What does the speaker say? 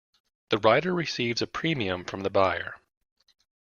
The writer receives a premium from the buyer.